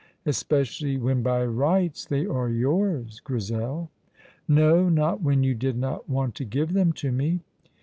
"Especially when by rights they are yours, Grizel!" "No, not when you did not want to give them to me."